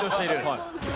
はい。